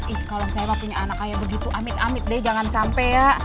ih kalau saya mah punya anak kayak begitu amit amit deh jangan sampai ya